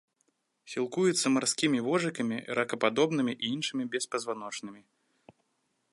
Сілкуецца марскімі вожыкамі, ракападобнымі і іншымі беспазваночнымі.